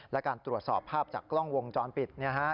และการตรวจสอบภาพจากกล้องวงจรปิด